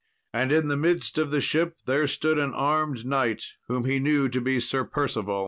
And in the midst of the ship there stood an armed knight, whom he knew to be Sir Percival.